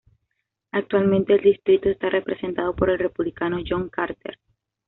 Actualmente el distrito está representado por el Republicano John Carter.